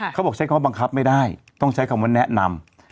เขาบอกใช้คำบังคับไม่ได้ต้องใช้คำว่าแนะนำ